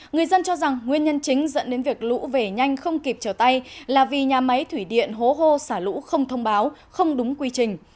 người dân cho rằng nguyên nhân chính dẫn đến việc lũ về nhanh không kịp trở tay là vì nhà máy thủy điện hố hô xả lũ không thông báo không đúng quy trình